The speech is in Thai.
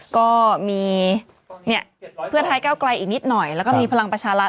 ก็มีเพื่อไทยก้าวไกลอีกนิดหน่อยแล้วก็มีพลังประชารัฐ